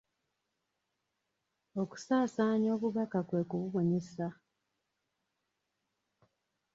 Okusaansaanya obubaka kwe kububunyisa.